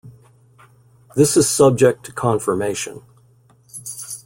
This is subject to confirmation.